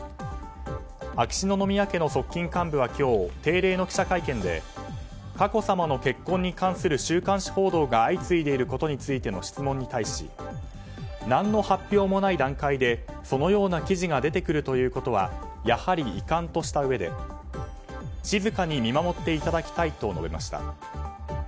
秋篠宮家の側近幹部は定例の記者会見で佳子さまの結婚に関する週刊誌報道が相次いでいることについて質問に対し何の発表もない段階でそのような記事が出てくることはやはり遺憾としたうえで静かに見守っていただきたいと述べました。